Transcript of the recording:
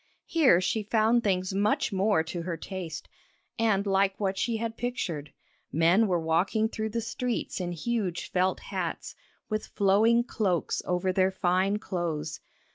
Here she found things much more to her taste, and like what she had pictured. Men were walking through the streets in huge felt hats, with flowing cloaks over their fine clothes.